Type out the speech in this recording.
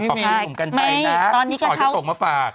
ต่อคุณหนุ่มกันชัยนะพี่ชอจะตกมาฝาก